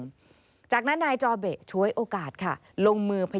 ก็เลยหาดว่าคือเขาไม่แน่ใจ